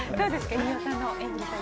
飯尾さんの演技は。